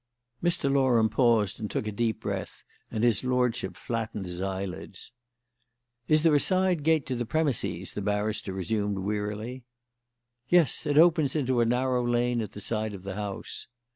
Mr. Loram paused and took a deep breath, and his lordship flattened his eyelids. "Is there a side gate to the premises?" the barrister resumed wearily. "Yes. It opens into a narrow lane at the side of the house."